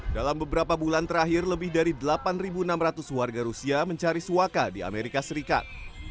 dalam beberapa bulan terakhir lebih dari delapan enam ratus warga rusia mencari suaka di amerika serikat